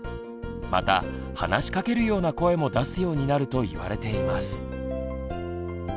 また話しかけるような声も出すようになると言われています。